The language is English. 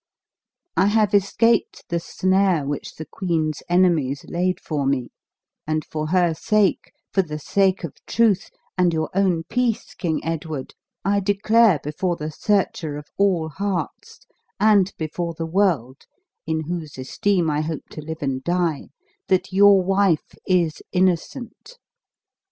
"I have escaped the snare which the queen's enemies laid for me; and for her sake, for the sake of truth, and your own peace, King Edward, I declare before the Searcher of all hearts, and before the world, in whose esteem I hope to live and die that your wife is innocent!